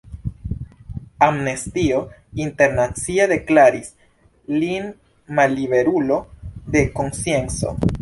Amnestio Internacia deklaris lin malliberulo de konscienco.